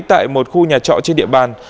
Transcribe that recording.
tại một khu nhà trọ trên địa bàn